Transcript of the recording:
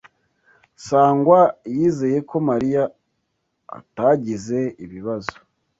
Sangwa yizeye ko Mariya atagize ibibazo.